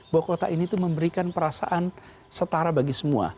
bahwa kota ini tuh memberikan perasaan setara bagi semua